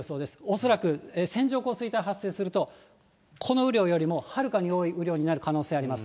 恐らく線状降水帯が発生すると、この雨量よりもはるかに多い雨量になる可能性あります。